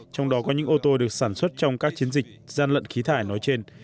trong đó có những ô tô được sản xuất trong các chiến dịch gian lận khí thải nói trên